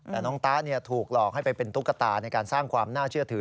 แต่น้องตะถูกหลอกให้ไปเป็นตุ๊กตาในการสร้างความน่าเชื่อถือ